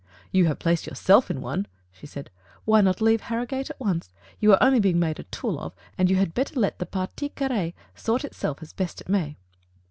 "You have placed yourself in one/' she said. "Why not leave Harrogate at once? You are only being made a tool of, and you had better let the partie carr^e sort itself as best it may."